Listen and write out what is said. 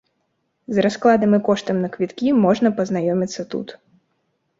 З раскладам і коштам на квіткі можна пазнаёміцца тут.